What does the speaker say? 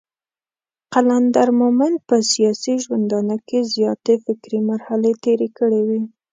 قلندر مومند په سياسي ژوندانه کې زياتې فکري مرحلې تېرې کړې وې.